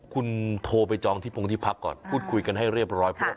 คุณโทรไปจองที่พรุ่งที่พักก่อนคุดคุยกันให้เรียบร้อย